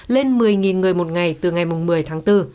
lên một mươi người một ngày từ ngày một mươi tháng bốn